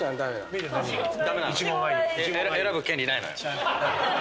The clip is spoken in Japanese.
選ぶ権利ないのよ。